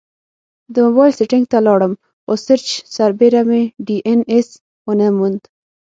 د مبایل سیټینګ ته لاړم، خو سرچ سربیره مې ډي این ایس ونه موند